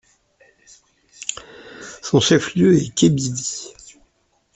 Son chef-lieu est Kébili.